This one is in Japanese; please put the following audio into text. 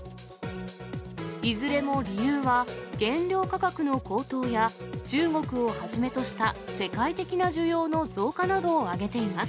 いずれも理由は、原料価格の高騰や、中国をはじめとした世界的な需要の増加などを挙げています。